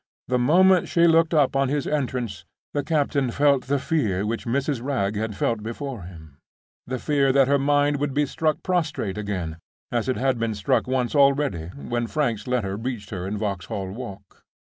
The moment she looked up on his entrance, the captain felt the fear which Mrs. Wragge had felt before him—the fear that her mind would be struck prostrate again, as it had been struck once already, when Frank's letter reached her in Vauxhall Walk.